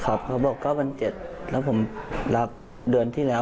ครับเค้าบอก๙๗๐๐เพราะผมเกียรติเงินเดือนที่แล้ว